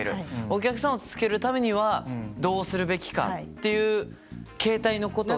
お客さんをつけるためにはどうするべきかっていう形態のことですよね？